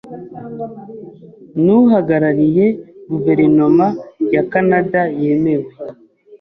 Ni uhagarariye guverinoma ya Kanada yemewe.